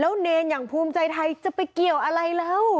เนรอย่างภูมิใจไทยจะไปเกี่ยวอะไรแล้ว